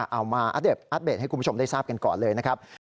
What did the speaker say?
เอามาอัปเดตอัปเดตให้คุณผู้ชมได้ทราบกันก่อนเลยนะครับ